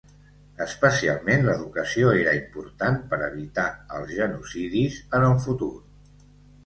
Especialment, l'educació era important per evitar els genocidis en el futur.